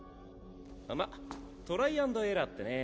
まっトライ＆エラーってね。